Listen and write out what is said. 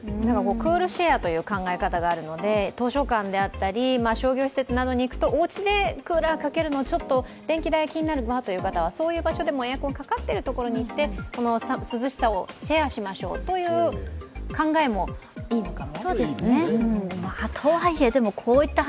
クールシェアという考え方があるので、図書館であったり商業施設などに行くとおうちでクーラーをかけるの、電気代気になるわという方はそういう場所でもエアコンかかっているところに行って涼しさをシェアしましょうという考えもいいのかも。